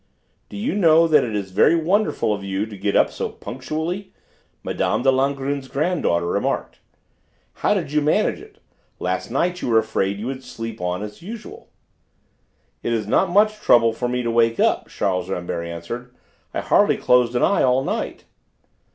"Do you know that it is very wonderful of you to get up so punctually?" Mme. de Langrune's granddaughter remarked. "How did you manage it? Last night you were afraid you would sleep on as usual." "It was not much trouble for me to wake up," Charles Rambert answered. "I hardly closed an eye all night."